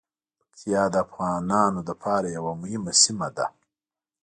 پکتیا د افغانانو لپاره یوه مهمه سیمه ده.